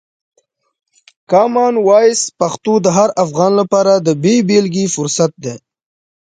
کامن وایس پښتو د هر افغان لپاره د بې بېلګې فرصت دی.